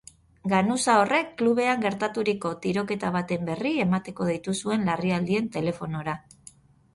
Ganuza horrek klubean gertaturiko tiroketa baten berri emateko deitu zuen larrialdien telefonora.